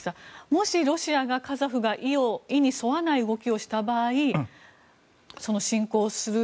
もし、ロシアがカザフが意に沿わない動きをした場合侵攻をする。